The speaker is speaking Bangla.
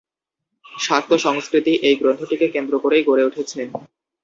শাক্ত সংস্কৃতি এই গ্রন্থটিকে কেন্দ্র করেই গড়ে উঠেছে।